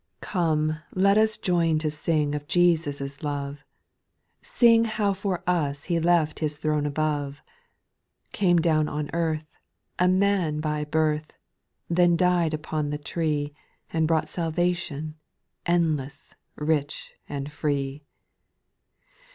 ^OME let us join to sing of Jesus' love ; \j Sing how for us He left His throne above, Came down on earth, a man by birth, Then died upon the tree, And brought salvation, endless, rich, and free.